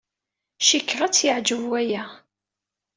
Cikkeɣ ad tt-yeɛjeb waya.